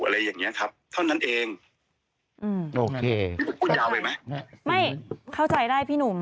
อะไรอย่างเงี้ยครับเท่านั้นเองอืมโอเคคุณยาวไปไหมไม่เข้าใจได้พี่หนุ่ม